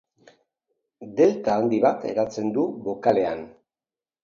Delta handi bat eratzen du bokalean.